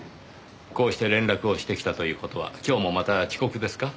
こうして連絡をしてきたという事は今日もまた遅刻ですか？